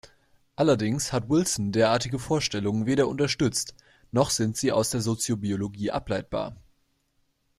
Allerdings hat Wilson derartige Vorstellungen weder unterstützt, noch sind sie aus der Soziobiologie ableitbar.